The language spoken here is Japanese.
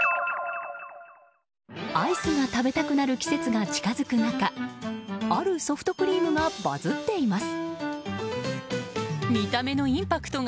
アイスが食べたくなる季節が近づく中あるソフトクリームがバズっています。